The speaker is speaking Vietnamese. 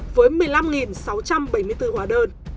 với một mươi năm sáu trăm bảy mươi bốn hóa đơn